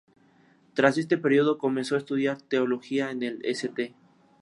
Tras este período, comenzó a estudiar Teología en el St.